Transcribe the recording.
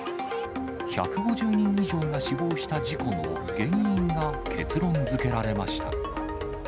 １５０人以上が死亡した事故の原因が結論づけられました。